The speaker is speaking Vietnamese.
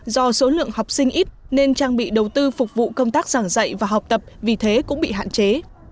do số lượng học sinh ít nên trang bị đầu tư phục vụ công tác giảng dạy và học tập vì thế cũng bị hạn chế